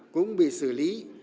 cũng bị xử lý